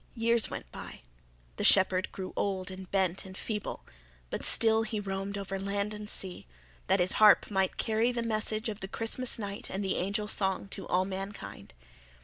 Years went by; the shepherd grew old and bent and feeble; but still he roamed over land and sea, that his harp might carry the message of the Christmas night and the angel song to all mankind.